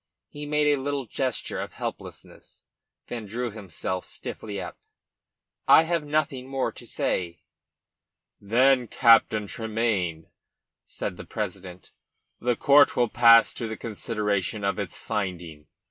He made a little gesture of helplessness, then drew himself stiffly up. "I have nothing more to say." "Then, Captain Tremayne," said the president, "the court will pass to the consideration of its finding.